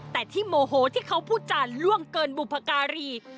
แต่ที่โมโหที่เขาพูดจานล่วงเกินบุพการี